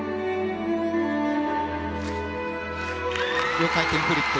４回転フリップ。